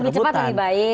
lebih cepat lebih baik